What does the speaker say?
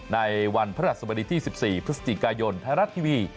ในวันพระราชสมดีที่๑๔พฤศจิกายนไทยรัฐทีวี